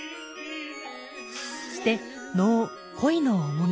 そして能「恋重荷」。